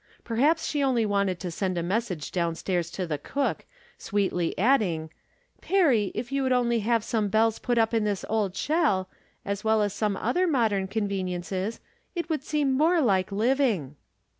Perhaps she only wanted to send a message down stairs to the cook, sweetly adding :" Perry, if you would only have some bells put up in tins old shell, as well as some other modern conveniences, it would seem more like living."